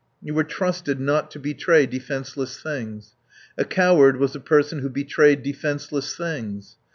You were trusted not to betray defenceless things. A coward was a person who betrayed defenceless things.